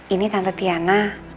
ini tante tiana